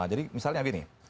jadi misalnya begini